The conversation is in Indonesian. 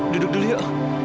duduk dulu yuk